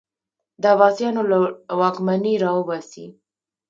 د عباسیانو له واکمني راوباسي